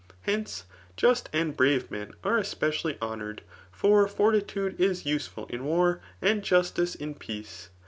Hence, just and brave men are especially honoured; for fortitude is useful in war, and justice in peace.